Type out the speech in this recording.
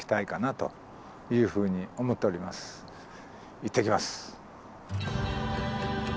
行ってきます。